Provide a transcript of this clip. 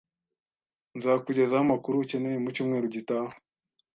Nzakugezaho amakuru ukeneye mu cyumweru gitaha